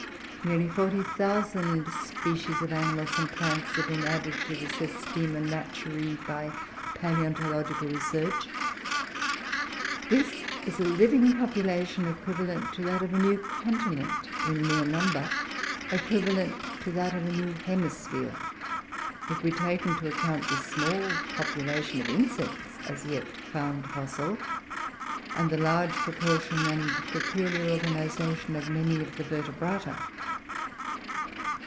Nearly 40,000 species of animals and plants have been added to the Systema Naturae by palaeontological research. This is a living population equivalent to that of a new continent in mere number; equivalent to that of a new hemisphere, if we take into account the small population of insects as yet found fossil, and the large proportion and peculiar organisation of many of the Vertebrata.